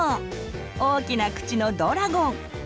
大きな口のドラゴン。